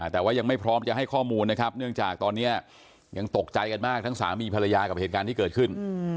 แต่ว่ายังไม่พร้อมจะให้ข้อมูลนะครับเนื่องจากตอนนี้ยังตกใจกันมากทั้งสามีภรรยากับเหตุการณ์ที่เกิดขึ้น